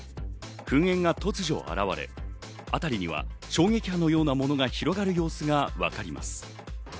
噴煙が突如現れ、辺りには衝撃波のようなものが広がる様子がわかります。